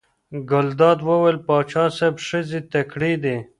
ګلداد وویل: پاچا صاحب ښځې تکړې دي.